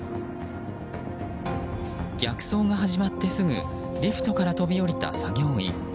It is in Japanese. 逆走が始まってすぐリフトから飛び降りた作業員。